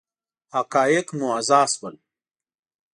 حقایق موضح شول.